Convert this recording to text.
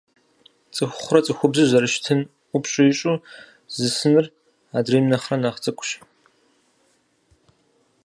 ЦӀыхухъурэ цӀыхубзу зэрыщытыр ӀупщӀ ищӀу, зысыныр адрейм нэхърэ нэхъ цӀыкӀущ.